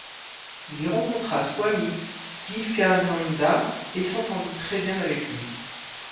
Il y rencontra Swami Vivekananda et s’entendit très bien avec lui.